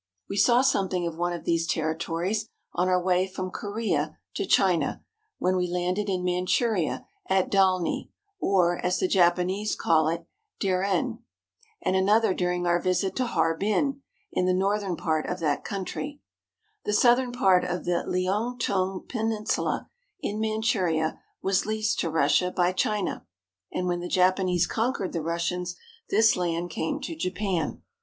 We saw something of one of these territories on our way from Korea to China when we landed in Manchuria at Dalny or, as the Japanese call it, Dairen, and another during our visit to Harbin, in the northern part of that A Chinese Passenger Chair in Hongkong. country. The southern part of the Liaotung (le ou toong') Peninsula in Manchuria was leased to Russia by China, and when the Japanese conquered the Russians, this land came to Japan.